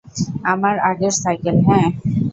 আমার আগের সাইকেল, হ্যাঁ।